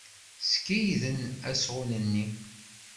Skeyden asɣun-nni.